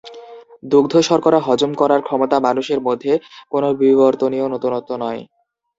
দুগ্ধশর্করা হজম করার ক্ষমতা মানুষের মধ্যে কোন বিবর্তনীয় নতুনত্ব নয়।